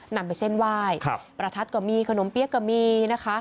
นำไปเส้นไหว้ประทัดก็มีขนมเปี๊ยกก็มีนะคะ